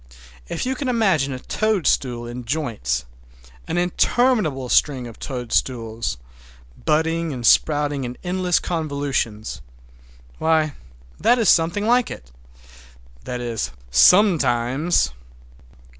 If you can imagine a toadstool in joints, an interminable string of toadstools, budding and sprouting in endless convolutions,—why, that is something like it. That is, sometimes!